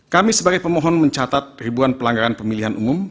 kami sebagai pemohon mencatat ribuan pelanggaran pemilihan umum